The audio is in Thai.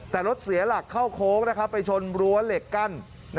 แต่รถเสียหลักเข้าโค้งไปชนรั้วเหล็กกั้น